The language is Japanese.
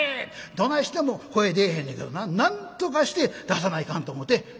どないしても声出えへんのやけどななんとかして出さないかんと思うて声出したんや」。